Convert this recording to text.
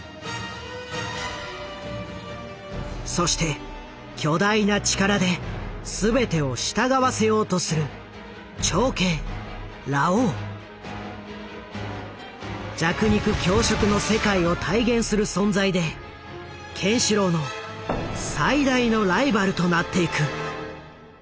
そして巨大な力で全てを従わせようとする弱肉強食の世界を体現する存在でケンシロウの最大のライバルとなっていく。